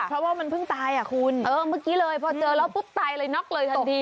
เพราะว่ามันเพิ่งตายอ่ะคุณเออเมื่อกี้เลยพอเจอแล้วปุ๊บตายเลยน็อกเลยทันที